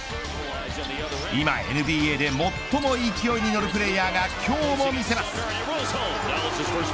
今、ＮＢＡで最も勢いに乗るプレーヤーが今日も見せます。